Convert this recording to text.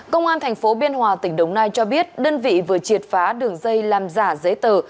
công an thành phố biên hòa tỉnh đồng nai cho biết đơn vị vừa triệt phá đường dây làm giả giấy tờ